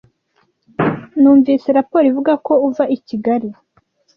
Numvise raporo ivuga ko uva I kigali.